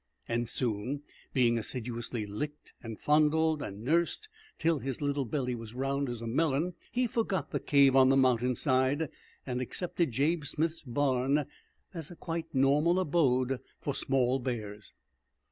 And soon, being assiduously licked and fondled, and nursed till his little belly was round as a melon, he forgot the cave on the mountainside and accepted Jabe Smith's barn as a quite normal abode for small bears.